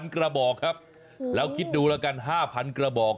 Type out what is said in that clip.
๕๐๐๐กระบอกครับแล้วคิดดูละกัน๕๐๐๐กระบอก